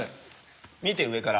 見て上から。